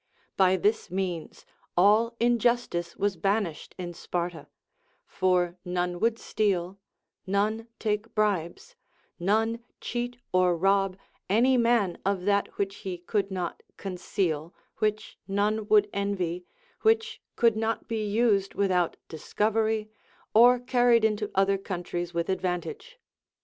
By this means all injustice was banished Sparta ; for none Λvould steal, none take bribes, none cheat or rob any man of that which he could not conceal, which none would enΛ7, which could not be used without discovery, or carried into other countries with advantage.